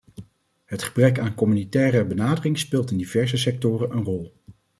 Het gebrek aan communautaire benadering speelt in diverse sectoren een rol.